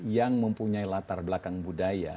yang mempunyai latar belakang budaya